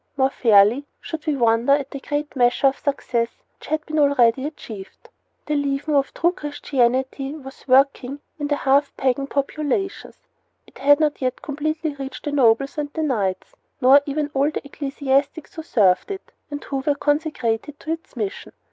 More fairly should we wonder at the great measure of success which had already been achieved. The leaven of a true Christianity was working in the half pagan populations. It had not yet completely reached the nobles and the knights, or even all the ecclesiastics who served it and who were consecrated to its mission.